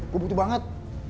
gue butuh banget